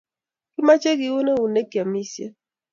Kimache kiwun onenek keamishen